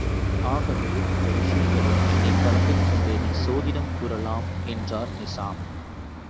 ஆகவே அந்த விஷயங்களில் என்னைக் கலந்துகொண்டு நீ சோதிடம் கூறலாம் என்றார் நிசாம்.